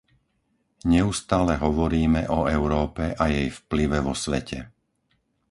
Neustále hovoríme o Európe a jej vplyve vo svete.